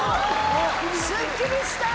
スッキリした！